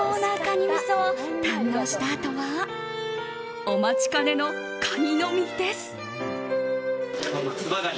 みそを堪能したあとはお待ちかねのカニの身です。